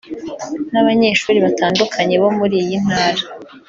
n’abanyeshuri batandukanye bo muri iyi Ntara